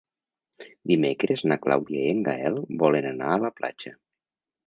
Dimecres na Clàudia i en Gaël volen anar a la platja.